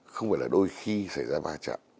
không phải là đôi khi xảy ra va chạm